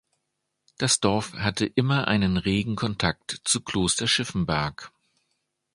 Das Dorf hatte immer einen regen Kontakt zu Kloster Schiffenberg.